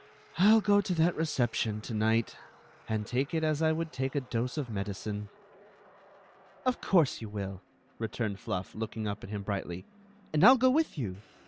" I '11 go to that reception to night, and take it as I would take a dose of medicine." . "Of course you will!" returned Fluft Jod^ up at him brightly; "and I 'U go with you!